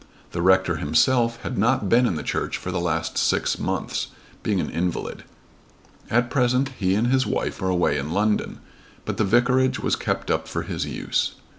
The rector himself had not been in the church for the last six months, being an invalid. At present he and his wife were away in London, but the vicarage was kept up for his use.